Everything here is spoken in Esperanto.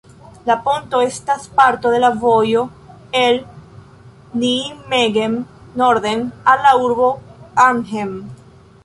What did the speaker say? La ponto estas parto de la vojo el Nijmegen norden, al la urbo Arnhem.